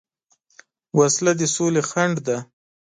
وسله د سولې خنډ ده